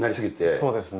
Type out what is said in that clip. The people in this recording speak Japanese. そうですね。